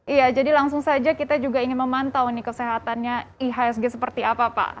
iya jadi langsung saja kita juga ingin memantau kesehatannya ihsg seperti apa pak